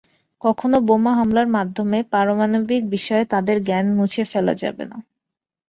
কোনো বোমা হামলার মাধ্যমে পারমাণবিক বিষয়ে তাদের জ্ঞানও মুছে ফেলা যাবে না।